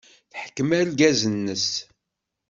Teḥkem argaz-nnes.